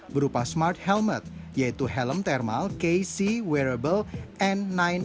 berupa smart helmet yaitu helm thermal kc wearable n sembilan ratus